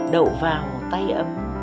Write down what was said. đậu vào tay ấm